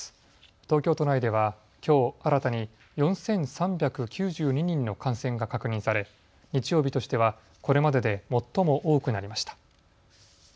東京都内では、きょう新たに４３９２人の感染が確認され日曜日としてはこれまでで最も多くなりました。